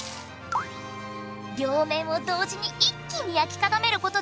両面を同時に一気に焼き固める事で。